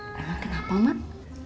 emang kenapa mak